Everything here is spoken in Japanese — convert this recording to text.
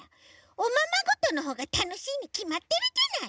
おままごとのほうがたのしいにきまってるじゃない！